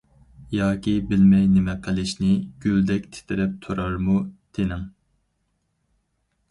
ياكى بىلمەي نېمە قىلىشنى، گۈلدەك تىترەپ تۇرارمۇ تېنىڭ.